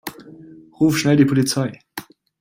Ruf schnell die Polizei!